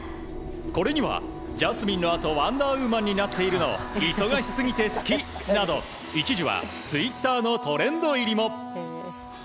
これには、ジャスミンのあとワンダーウーマンになってるの忙しすぎて好きなど一時はツイッターのトレンド入りも。